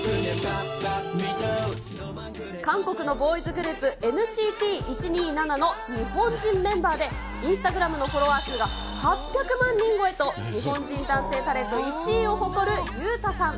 韓国のボーイズグループ、ＮＣＴ１２７の日本人メンバーで、インスタグラムのフォロワー数が８００万人超えと日本人男性タレント１位を誇るユータさん。